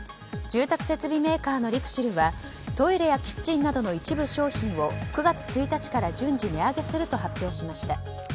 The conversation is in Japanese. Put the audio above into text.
住宅設備メーカーのＬＩＸＩＬはトイレやキッチンなどの一部商品を９月１日から順次値上げすると発表しました。